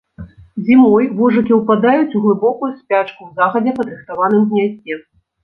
Зімой вожыкі ўпадаюць у глыбокую спячку ў загадзя падрыхтаваным гняздзе.